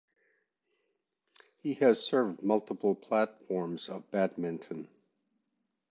He has served multiple platforms of badminton.